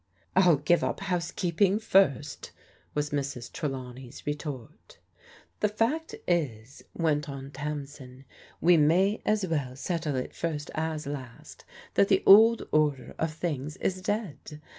"I'll give up housekeeping first," was Mrs. Trelaw ncy's retort. "The fact is," went on Tamsin, "we may as well settle it first as last, that the old order of things is dead.